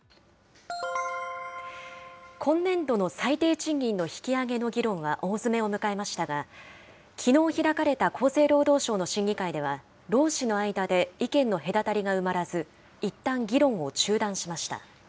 今年度の最低賃金の引き上げの議論は大詰めを迎えましたが、きのう開かれた厚生労働省の審議会では、労使の間で意見の隔たりが埋まらず、いったん議論を中断しました。